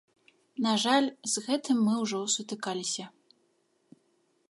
На жаль, з гэтым мы ўжо сутыкаліся.